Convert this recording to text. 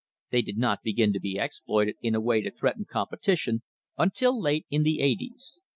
They did not begin to be exploited in a way to threaten competition until late in the eighties.